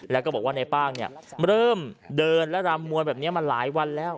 แล้วก็บอกว่าในป้างเนี่ยเริ่มเดินและรำมวยแบบนี้มาหลายวันแล้ว